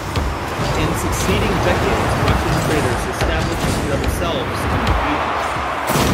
In succeeding decades Russian traders established themselves in the region.